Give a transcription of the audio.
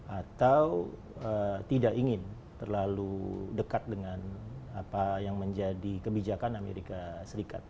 atau tidak ingin terlalu dekat dengan apa yang menjadi kebijakan amerika serikat